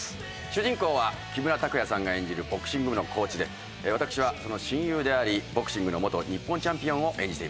主人公は木村拓哉さんが演じるボクシング部のコーチで私はその親友でありボクシングの元日本チャンピオンを演じています。